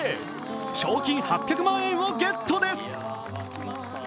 賞金８００万円をゲットです。